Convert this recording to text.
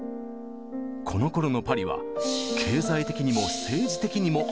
このころのパリは経済的にも政治的にも不安定。